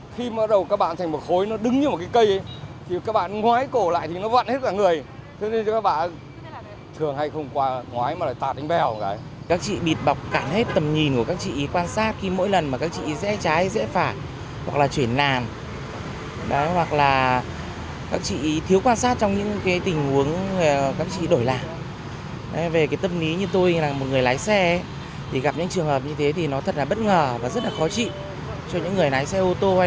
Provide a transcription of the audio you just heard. khi mà xây dựng phương án sản xuất kinh doanh là tương đối rồi cơ bản rồi